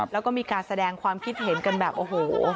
แล้วก็มีการแสดงความคิดเห็นกันแบบโอ้โห